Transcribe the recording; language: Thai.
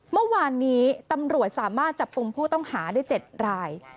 เมื่อวานนี้ตำรวจสามารถจับกลุ่มผู้ต้องหาได้๗ราย